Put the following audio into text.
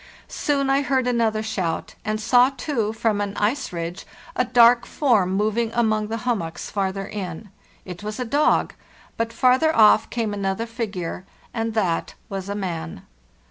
Soon I heard another shout, and saw, too, from an ice ridge, adark form moving among the hummocks farther in. It was a dog; but farther off came another figure, and that was a man.